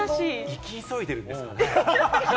生き急いでるんですよね。